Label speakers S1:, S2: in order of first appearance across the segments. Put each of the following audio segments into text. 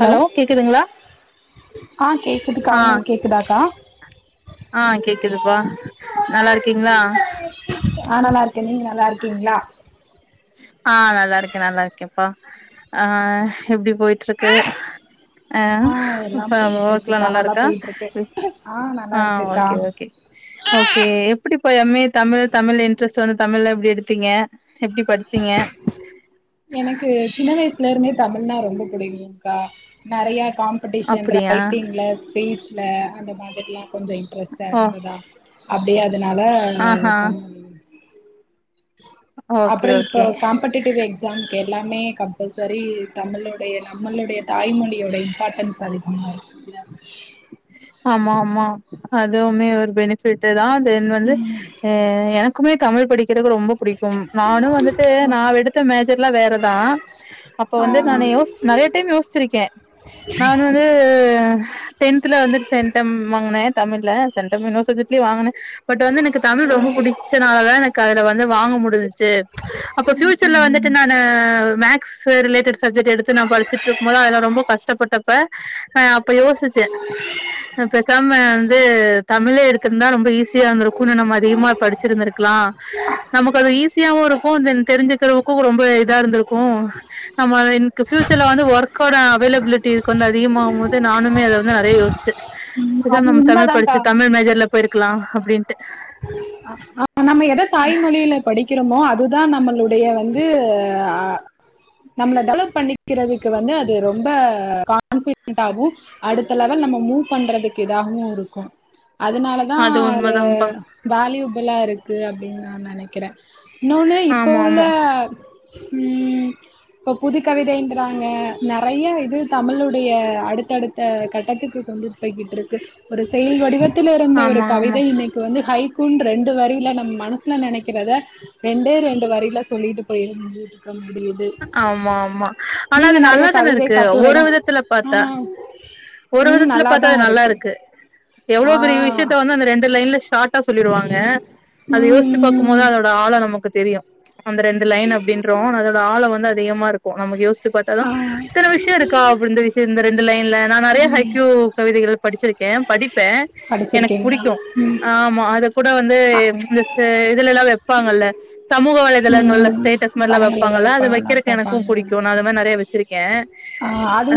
S1: hello கேக்குதுங்களா
S2: ஆ கேக்குதுக்கா
S1: ஆ
S2: ஒங்களுக்கு கேக்குதாக்கா
S1: ஆ கேக்குதுப்பா நல்லா இருக்கீங்களா
S2: ஆ நல்லா இருக்கே நீங்க நல்லா இருக்கீங்களா
S1: ஆ நல்லா இருக்கே நல்லா இருக்கேப்பா ஆ எப்டி போயிட்டு இருக்கு ஆ
S2: எல்லா
S1: அப்ப
S2: போயிட்டு
S1: ஒர்கல்லா
S2: இருக்குக்கா
S1: நல்லா இருக்கா
S2: போயிட்டு இருக்கு நல்லா
S1: ஆ
S2: இருக்குக்கா
S1: ஓகே ஓகே ஓகே எப்டி இப்ப M A Tamil Tamil interest வந்து தமிழ்ல எப்டி எடுத்தீங்க எப்டி படிச்சீங்க
S2: லேருமே தமிழ்னா ரொம்ப பிடிக்குகா நெறையா காம்படிஷன்
S1: அப்டியா
S2: ரைட்டிங்ல ஸ்பீச் அந்த மாதிரிலா கொஞ்சோ இன்ட்ரெஸ்டா
S1: ஓ
S2: இருந்ததா அப்டியே அதனால
S1: ஆஹா
S2: சம்
S1: ஓகே
S2: அப்புறோ இப்ப
S1: ஓகே
S2: காம்படட்டிவ் எக்ஸாம் எல்லாமே கம்பல்சரி தமிழுடைய நம்மளுடைய தாய்மொழியோட இம்பார்ட்டன்ஸ் அத பண்ணுவாங்க இ
S1: ஆமா ஆமா அதுவுமே ஒரு பெனிஃபட்டு தா வந்து எனக்குமே தமிழ் படிக்க குறது எனக்கு ரொம்ப பிடிக்கும் நானு வந்துட்டு நா எடுத்த மேஜர்லா வேறதா அப்ப
S2: ஆ
S1: வந்து நானே யோசுச் நெறைய டைம் யோசிச்சிருக்கே நான் வந்து டென்துல வந்துட்டு சென்டம் வாங்குனே தமிழ்ல சென்டம் இன்னொரு சப்ஜெக்ட்லயு வாங்கினே பட் வந்து எனக்கு தமிழ் ரொம்ப புடிச்சனாலதா எனக்கு அதுல வந்து வாங்க முடிஞ்ச்சு அப்போ பியூச்சர்ல வந்துட்டு நானு மேக் ரிலேட் சப்ஜெக்ட் எடுத்து நா படிச்சட்டு இருக்கு போது அதாலா ரொம்ப கட் கஷ்டப்பட்டப்ப ஆ அப்ப யோசிச்சே பெசாம வந்து தமிழே எடுத்துயிருந்தா ரொம்ப ஈஸியா இருந்துருக்குன்னு நம்ம அதிகமா படிச்சுருந்துருக்கலா நமக்கு அது ஈஸியாவு இருக்கு தென் தெரிஞ்சுக்கறவுக்கு ரொம்ப இதா இருந்திருக்கு நம்ம எனக்கு பியூச்சர்ல வந்து ஒர்க்கோட அவைலபிலிட்டி வந்து அதிகமாவு போது நானுமே அத வந்து நெறைய யோசிட் பேசாம
S2: அது
S1: நம்ம தமிழ்
S2: உண்மதான்க்கா
S1: படிச்சு தமிழ் மேஜர்ல போயிருக்கலா அப்டின்ட்டு
S2: நம்ம எத தாய்மொழியில படிக்கிறமோ அதுதா நம்மளோட டைய வந்து நம்மள டெவலப் பண்ணிக்கிறதுக்கு வந்து அது ரொம்ப கான்ஃபிடென்டாக அடுத்த லெவல் நம்ம மூவ் பண்றதுக்கு இதாகவு இருக்கு அதுனாலதா
S1: அது
S2: ஒரு
S1: உண்மதான்ப்பா
S2: வேல்யூபலா இருக்கு அப்டின்னு நா நெனைக்கிறே இன்னொன்னு இப்ப
S1: ஆமா
S2: உள்ள
S1: ஆமா
S2: உம் இப்ப புதுகவிதைங்கறாங்க நெறைய இது தமிழுடைய அடுத்தடுத்த கட்டத்துக்கு கொண்டுட் போய்க்கிட்ருக்கு ஒரு செயல் வடிவதுல இருந்த ஒரு
S1: ஆமா ஆமா
S2: கவிதை இன்னைக்கு வந்து ஹைக் கூன்ற ரெண்டு வரியில நம்ம மனசுல நெனைக்கிறத ரெண்டே ரெண்டு வரில சொல்லிட்டு பொயிர்து
S1: ஆம்மா ஆம்மா ஆனா அது
S2: நெறைய
S1: நல்லாதானே
S2: கவிதை
S1: இருக்கு ஒரு
S2: கட்டுரைலா
S1: விதத்துல பாத்தா
S2: ஆ
S1: ஒரு
S2: ம்
S1: விதத்துல பாத்தா
S2: நல்லாதா
S1: அது நல்லா இருக்கு
S2: ஆ
S1: எவ்ளோ பெரிய விஷயத்த வந்து அந்த ரெண்டு லைன்ல ஷார்ட்டா சொல்லிருவாங்க அத யோசிச்சு பாக்கு போது
S2: ம் ம்
S1: அதோட ஆழொ நமக்கு தெரியு அந்த ரெண்டு லைன் அப்டின்றோ அதோட ஆழோ வந்து அதிகமா இருக்கு நம்ம யோசு சுப் பாத்தாதா
S2: ஆ
S1: இத்தன விஷயோருக்கா அப்டி இந்த விஷ்யோ இந்த ரெண்டு லைன்ல நா நெறைய ஹைக்கூ கவிதைகள் படிச்சிருக்கே படிப்பே எனக்குப்
S2: படிச்சிருக்கீங்களா
S1: புடிக்கு
S2: ம்
S1: ஆமா அத கூட வந்து இந்த ச இதுலலா வெப்பாங்கல்ல சமூக வலைதளங்கள்ல
S2: ம்
S1: ஸ்டேட்டஸ் மாரிலா
S2: படங்கள்
S1: வெப்பாங்கல்ல
S2: எதாவது
S1: அது
S2: பா
S1: வைக்கிறக்கு எனக்கு
S2: பாப்பாங்க
S1: புடிக்கு நா அந்த மாரி நெறைய வெச்சிருக்கே
S2: ஆ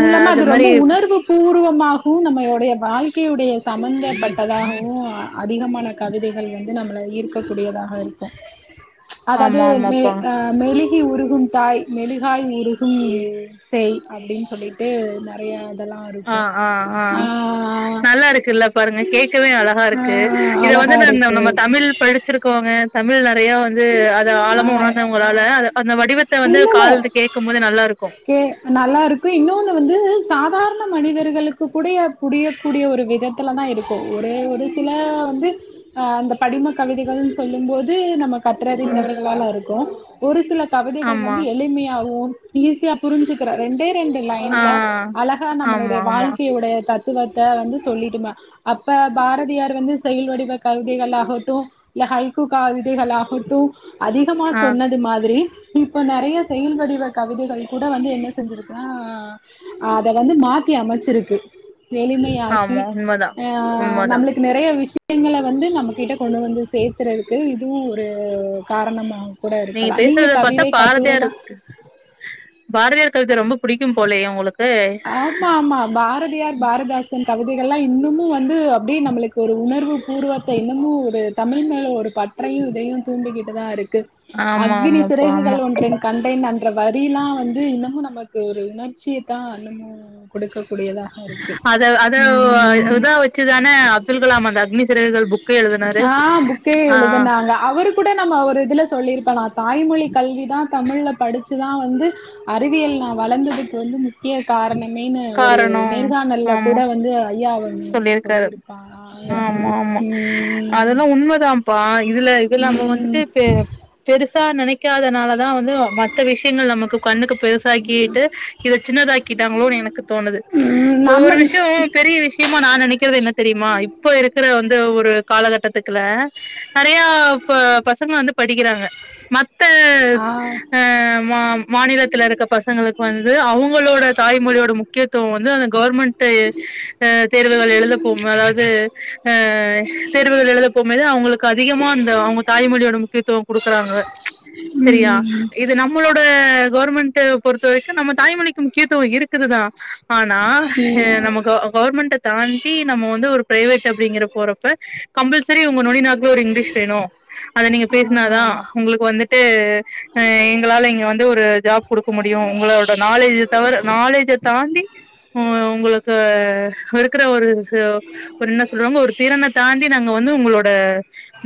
S1: அ
S2: இல்லாம
S1: அது மாரி
S2: ரொம்ப உணர்வு பூர்வமாகவு நம்மளுடைய வாழ்க் கையுடைய சம்பந்தப்பட்டதாகவு அதிகமான கவிதைகள் வந் து நம்மள ஈர்க்கக் கூடியதாக இருக்கு அதாது
S1: ஆமா
S2: மெ
S1: ஆமாப்பா
S2: அ மெழுகி உருக் கும் மெழுகாய் உருகும் சேய் அப்டின் சொல்லிட்டு நெறைய இதெல்லா
S1: அ
S2: இருக்கு
S1: அ அ
S2: ஆ
S1: நல்லாருக்குல்ல பாருங்க கேக்கவே
S2: ஆ
S1: அலகாருக்கு இத வந்து
S2: அழகா
S1: ந
S2: இருக்கு
S1: நம்ம தமிழ் படிச்சிருக்கோங்க தமிழ் நெறையோ வந் து அத
S2: ஆ
S1: ஆலமா உணர்ந்தவங்களால அந்த வடிவத்த வந்து
S2: இல்ல இல்ல
S1: காழ்ந்து கேக்கும்போது நல்லாருக்கு
S2: கே நல்லாருக்கு இன்னொன்னு வந்து சாதாரண மனிதர்களுக்குக் கூடய புரியக்கூடிய ஒரு விதத்துல தா இருக்கு ஒரே ஒரு சில வந்து அ அந்தப் படிமக் கவிதைகள்ன் சொல்லும்போது நமக்க [unintelligible] ருக்கு ஒரு சிலக் கவிதைகள்
S1: ஆமா
S2: வந்து எளிமியாவு ஈஸியா புரிஞ்சிக்கறா ரெண்டே ரெண்டு
S1: ஆ
S2: லைன்ல அலகா
S1: ஆமா
S2: நம்மளுடைய
S1: ஆமா
S2: வாழ்க்கையுடைய தத் துவத்த வந்து சொல்லிட்டுமா அப்ப பாரதியார் வந்து செயல் வடிவ கவிதைகளாகட்டு ல ஹைக்கூ காவிதைகளாகட்டு அதிகமா
S1: ஆ
S2: சொன்னது மாதிரி இப்ப நெறைய செயல் வடிவ கவிதைகள் கூட வந்து என்ன செஞ்சிருக்க அத வந்து மாத் தி அமச்சிருக்கு எளிமையாக்கி
S1: ஆமா உண்மதா
S2: அ
S1: உண்மதா
S2: நம்ளுக்கு நெறைய விஷ் யங்கள வந்து நம்ம கிட்ட கொண்டு வந்து சேர்த்துறதுக்கு இதுவு ஒரு காரணமாவு
S1: நீங்க பேசுறத பாத்தா பாரதியார்க்கு பாரதியார் கவித ரொம்ப புடிக்கும் போலயே உங்களுக்
S2: ஆமா ஆமா பாரதியார் பாரதிதாசன் கவிதைகள்லா இன்னமு வந் வந்து அப்டியே நம்மளுக்கு ஒரு உணர்வு பூர்வத்த இன்னமு ஒரு தமிழ் மேல ஒரு பற்றையு இதயு தூண்டிக்கிட்டுதாருக்கு
S1: ஆமா
S2: அக்கினி
S1: ஆமாப்பா ஆமா
S2: சிறகுகள் ஒன்றின் கண்டேன் அன்ற வரியில் தா வந்து இன்னமு நமக்கு ஒரு உணர்ச்சியத்தா இன்னமு கொடுக்க
S1: அத அத இதா வெச்சிதானே அப்துல் கலாம் அந்த அக்னி சிறகுகள் புக்கே எழுத்
S2: ஆ புக்கே எழுதுனாங்க அவரு கூட நம்ம ஒரு இதுல சொல்லிருப்பாரா தாய்மொழிக் கல்விதா தமிழ்ல படிச்சிதா வந்து அறிவியல் நா வளர்ந்ததுக்கு வந்து முக்கிய கார் ணமேன்னு ஒரு
S1: காரணோ
S2: நேர்காணல்ல
S1: ஆமா
S2: கூட வந்து ஐயா அவர்
S1: சொல்லியிருக்காரு ஆமா ஆமா
S2: ம்
S1: அதெல்லா உண்மதாப்பா இதுல இதெல்லா நம்ம வந்துட்டு
S2: ம்
S1: பே பேருசா நெனைக்காதனாலத் தா வந்து மத்த விஷயங்கள் நமக்கு கண்ணுக்கு பெருசாக்கிட்டு இத சின்னதாக்கிட்டாங்ளோ எனக் கு தோணுது
S2: ம்
S1: ஒவ்வொரு
S2: நம்ம
S1: விஷயோ பெரிய விஷயமா நா நெனைக்கறது என்ன தெரியுமா இப்ப இருக்குற வந் து ஒரு காலகட்டத்துக்குல நெறையா ப பசங்க வந்து படிக்கிறாங்க மத்த
S2: ஆ
S1: அ மா மாநிலத் துல இருக்க பசங்களுக்கு வந்து அவுங்களோட தாய்மொழியோட முக்கியத்துவோ வந்து அந்த கவுர்மெண்ட்டே அ தேர்வுகள் எழுதப்போ அதாவது அ தேர்வுகள் எழுதப்போமோது அவுங்களுக்கு அதிகமான் இந்த அவுங்க தாய்மொழியோட முக்கியத்துவோ குடுக்குறாங்க சரியா
S2: ம்
S1: இது நம்மளோட கவுர்மெண்ட்டு பொறுத்த வெரிக்கு நம்ம தாய்மொழிக்கு முக்கியத் துவோ இருக்குதுதா ஆனா
S2: ம்
S1: நம்ம க கவர்மெண்ட்ட தாண்டி நம்ம வந்து ஒரு பிரைவேட் அப்டிங்கிற போறப்ப கம்பல்செரி உங்க நொனி நாக்குல ஒரு இங்கிலீஷ் வேணு அத நீங்க பேசினாதா
S2: ஆ
S1: உங்களுக்கு வந்துட் டு எங்களால இங்க வந்து ஒரு ஜாப் குடுக்க முடியு உங்களோட நாலேஜ் தவர நாலேஜ் ஜே தாண்டி உ உங்களுக்கு இருக்குற ஒரு இன்ன சொல்லுவங்க ஒரு திறன தாண்டி நாங்க வந்து உங்களோட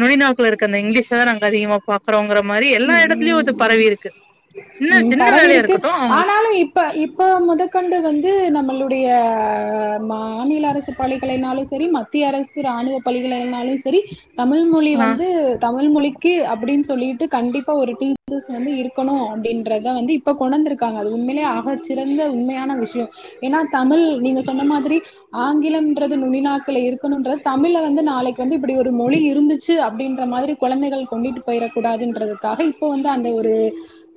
S1: நுனி நாக் நாக்குலருக்க அந்த இங்கிலீஷ தா நாங்க அதிகமா பாக்குறோங்கிற மாரி எல்லா எடத்துலயு இது
S2: ம்
S1: பரவிருக்கு
S2: ம் பரவிருக்கு ஆனாலு இப்ப இப்ப முதற்கொண்டு வந் து நம்மளுடைய மாநி மத்தில அரசு பள்ளிகலைனாலு சரி மத்திய அரசு ராணுவ பள்ளிகலை ஆனாலு சரி தமிழ்மொழி
S1: ஆ
S2: வந்து தமிழ்மொழிக்கு அப்டின் சொ சொல்லிட்டு கண்டிப்பா ஒரு டீச்சர்ஸ் வந்து இருக்கணு அப் டின்றத வந்து இப்ப கொணந்திருக்காங்க அது உண்மையிலே ஆக சிறந்த உண்மையான விஷய ஏன்னா தமிழ் நீங்க சொன்ன மாதிரி ஆங்கிலம்ன்றது நுனினாக்கில இருக்கணும்ன்றது தமிழ வந்து நாளைக் வந்து இப்படி ஒரு மொழி இருந்துச்சு அப்டின் ற மாதிரி குழந்தைகள் கொண்டுட்டு போயிடக்க கூடாதுன்றதுக்காக இப்போ வந்து அந்த ஒரு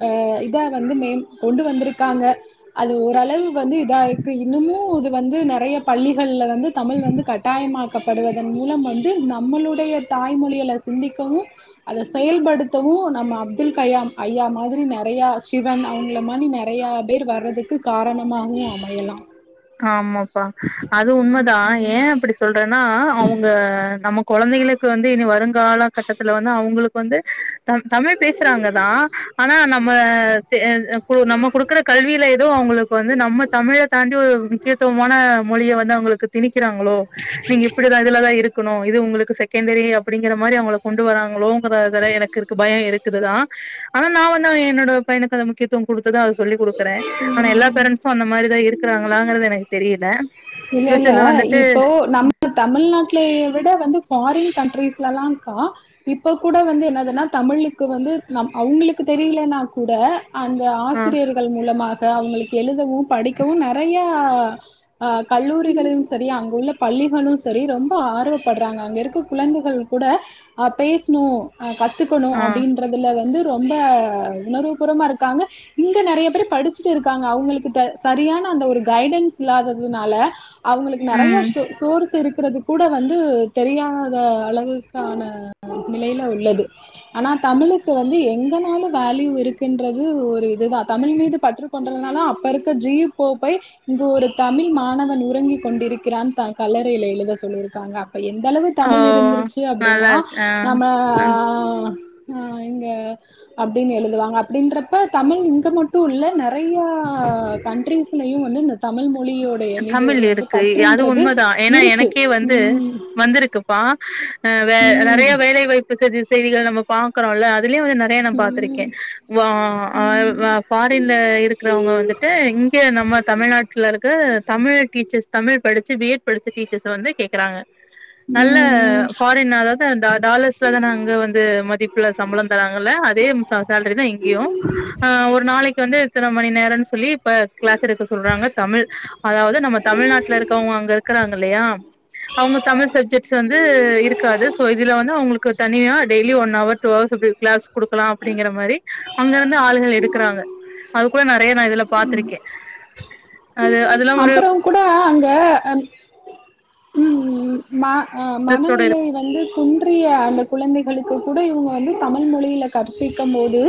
S2: ஆ இதா வந்து மே கொண்டு வந்திருக்காங்க அது ஓரளவு வந்து இதா இருக்கு இன்னமு இது வந்து நெறையா பள்ளிகள்ல வந்து தமிழ் வந்து கட்டாயமாக்கப்படுவதன் மூலம் வந்து நம்மளுடைய தாய்மொழியளை சிந்திக்கவு அதை செயல்படுத்தவு நம்ம அப்துல் கயாம் ஐயா மாதிரி ந நெறையா சிவன் அவங்கள மாரி நெறைய பேர் வர்றதுக்கு காரணமாகவு அமையல்லா
S1: ஆமாப்பா அது உண்மைதா ஏ அப்டி சொல்றேன்னா அவங்க நமக்கு குழந்தைகளுக்கு வந்து இனி வருங்கால கட்டத்துல வந்து அவங்களுக்கு வந்து த தமிழ் பேசுறாங்க தா ஆனா நம்ம தே நம்ம குடுக்குற கல்வியில ஏதோ அவங்களுக்கு வந்து நம்ம தமிழ தாண்டி ஒரு மன மொழியை வந்து அவங்களுக்கு திணிக்கிறாங்களோ நீங்க இப்படிதா இதுலதா இருக்கணு இது உங்களுக்கு செகண்டரி அப்டிங்கிற மாதரி அவங்க கொண்டு வராங்களோங்கறல எனக்கு இருக்கு பய இருக்கு க்கிறதுதா ஆனா நா வந்து என்னோட பயணக்க அத முக்கியத்துவ குடுத்ததா சொல்லி குடுக்குற ஆனா எல்லா பேரண்ட்ஸு அந்த மாதிரிதா இருக்கிறாங்களாங்கறது எனக்கு தெரியல
S2: இல்ல இல்ல
S1: ஃபியூச்சர்ல வந்துட்டு
S2: இப்போ நம்ம தமிழ்நாட்டுல விட வந்து பாரின் கன் ட்ரீஷ்ளலா க்கா இப்ப கூட வந்து என்னதுன்னா தமிக்கு வந்து ந அவங்களுக்கு தெரியலனா கூட அந்த
S1: ஆ
S2: ஆசிரியர்கள் மூலமாக அவங்களுக்கு எழுதவு படிக்கவு நெறையா அ கல்லூரிகளு சரி அங்க உள்ள பள்ளிகளு சரி ரொம்ப ஆர்வப்படுறாங்க அங்க இருக்க குழந்தைகள் கூ ட பேசணு கத்துக்கணு
S1: ஆ
S2: அப்படின்றதுல வந்து ரொம்ப உணர்வுபுறமா இருக்காங்க இங்க நெறைய பேர் படிச்சுட்டு இருக்காங்க அவங்களுக்கு தே சரியான அந்த ஒரு கைடன்ஸ் இல்லாததுனால அவங்களுக்கு நெறைய
S1: ம்
S2: சொ சோர்ஸ் இருக்கிறதுக்கு கூட வந்து தெரியாத அளவுக்கான நிலையில உள்ளது ஆனா தமிழுக்கு வந்து எங்க நாலு வேல்யூ இருக்குன்றது ஒரு இதுதா தமிழ் மீது பற்றுக்கொண்ட இருந்தாலு அப்ப இருக்க ஜி யு போப்பே இங்க ஒரு தமிழ் மாணவன் உறங்கிக் கொண்டிருக்கிறான் தன் கல்லறையில எழுத சொல்லியிருக்காங்க இப்ப எந்த அளவு
S1: ஓ
S2: தமிழ் இருந்துருச்சு
S1: நல்லா
S2: அப்படின்னா
S1: இருக்கு ஆ
S2: நம்ம
S1: ஆ
S2: ஆ ஆ இங்க அப்டின்னு எழுதுவாங்க அப்டின்றப்ப தமிழ் இங்க மட்டு இல்ல நெறையா ஆ கண்ட்ரரிஸ்லயு வந்து இந்த தமிழ் மொழியோடைய மீது
S1: தமிழ்
S2: ஒரு வந்து
S1: இருக்கு அது
S2: பற்றுன்றது
S1: உண்மதா ஏன்னா
S2: இருக்கு
S1: எனக்கே வந்து
S2: உம்
S1: வந்திருக்குப்பா ஆ வே
S2: உம்
S1: நெறைய வேலைவாய்ப்பு செய்திகள் நம்ம பாக்கறோல்ல அதிலயு நெறைய நா பாத்திருக்கே
S2: உம்
S1: வா ஆ பாரின்ல இருக்கிறவங்க வந்துட்டு இ அங்க நம்ம தமிழ்நா க தமிழ் டீச்சர்ஸ் தமிழ் படிச்ச பி எட் படிச்ச டீச்சர்ஸ் வந்து கேக்குறாங்க நல்ல
S2: ம் ம்
S1: ஃபாரின் அதாவது அந்த டாலர்ஸ்ல தான அங்க வந்து மதிப்புல சம்பளம் தராங்கல்ல அதே [unintelligible] சேலரி தா இங்கியு ஒரு நாளைக்கு வந்து எத்தன மணி நேரம்னு சொல்லி இப்ப கிளாஸ் எடுக்க சொல்றாங்க தமிழ் அதாவது நம்ம தமிழ்நாட்டுல இருக்கவங்க அங்க இருக்கறாங்க இல்லையா அவங்க தமிழ் சப்ஜெக்ட்ஸ் வந்து இருக்காது சோ இதுல வந்து அவங்களுக்கு தனியா daily one hour two hours class குடுக்கலா அப்டிங்கிற மாரி அங்க இருந்து ஆளுகள் எடுக்கிறாங்க அதுக்குட நா நெறைய நா இதுல பாத்திருக்கே அது அதெல்லா ஒரு
S2: அப்பறம் கூட அங்க அம் ம் ம் ம ஆ
S1: இன்ட்ரெஸ்டோட
S2: மனநிலை வந்து குன்றிய அந்த குழந்தைகளுக்கு கூட இவங்க வந்து தமிழ் மொழியில கற்பிக்கும் போது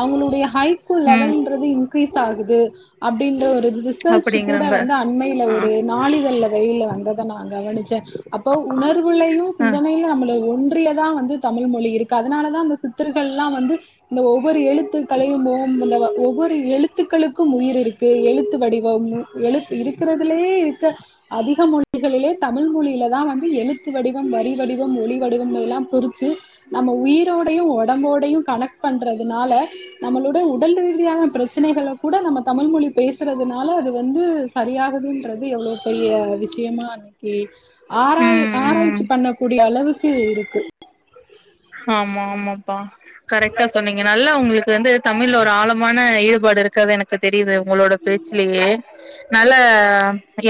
S2: அவங்களுடைய ஹை ஸ்கூல்
S1: ம்
S2: லெவல்ன்றது இன்கிரீஸ் ஆகுது அப்படின்ற ஒரு ரிசர்ச் கூட
S1: அப்டிங்கறாங்க
S2: வந்து அண்மையில
S1: ஆ
S2: ஒரு நாளிதழ் வெளில வந்த நா கவனிச்சே அப்போ உணர்வுளையு
S1: ஆ
S2: சிந்தனையில நம்ம ஒன்னு ட்றிய தா வந்து தமிழ்மொழி இருக்கு அதனால தா அந்த சித்தர்கள்ல்லா வந்து இந்த ஒவ்வொரு எழுத்து கலையும் போ இந்த ஒவ்வொரு எழுத்துக்களுக்கும் உயிர் இருக்கு எழுத்து வடிவம் எழுத் இருக்கிறதுலயே த்து அதிகம் உள் மொழிகளிலே தமிழ்மொழியில தா வந்து எழுத்து வடிவம் வரி வடிவம் ஒளி வடிவம் எல்லாமா பிரிச்சு நம் ம உயிரோடையு ஒடம்போடையு கனெக்ட் பண்றதுனால நம்மளோட உடல் ரீதியான பிரச்சனைகள் கூட நம்ம தமிழ்மொழி பேசுறதுனால அது வந்து சரியாகதுன்றது எவ்ளோ பெரிய வி ஷ்யமா [unintelligible] ஆராய
S1: ம் ம்
S2: ஆராய்ச்சி பண்ணக்கூடிய அளவுக்கு இருக்கு
S1: ஆமா ஆமாப்பா கரெக்டா சொன்னீங்க நல்லா உங்களுக்கு வந்து தமிழ்ல ஒரு ஆழமான ஈடு பாடு இருக்கறது எனக்கு தெரியிது உங்களோட பேச்சுலியே நல்ல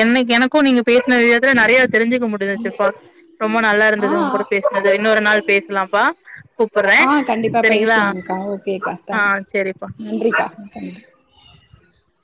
S1: என்னை எனக்கு நீங்க பேசின விததுல நெறையா தெரிஞ்சிக்க முடுஞ்சுச்சுப்பா ரொம்ப நல்லா
S2: ஆ
S1: இருந்தது உங்க கூட பேசனது இன்னோர் நாள் பே
S2: ஆ கண்டிப்பா
S1: சரிங்களா
S2: பேசலாங்க்கா ஓகேக்கா
S1: ஆ
S2: தேங்
S1: சரிப்பா
S2: நன்றிக்கா நன்றி [inaudible]